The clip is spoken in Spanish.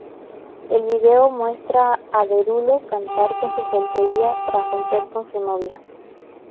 El video muestra a Derulo cantar con su soltería tras romper con su novia.